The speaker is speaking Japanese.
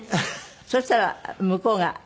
そしたら向こうが。